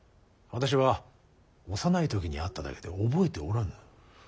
私は幼い時に会っただけで覚えておらぬ。